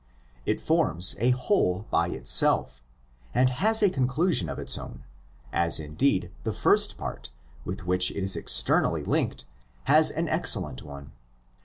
It forms a whole by itself, and has a conclusion of its own ; as, indeed, the first part, with which if is externally linked, has an excellent one.